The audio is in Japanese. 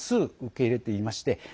受け入れてきました。